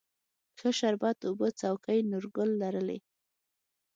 ښه شربت اوبه څوکۍ، نورګل لرلې